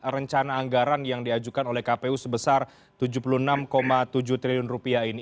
rencana anggaran yang diajukan oleh kpu sebesar rp tujuh puluh enam tujuh triliun rupiah ini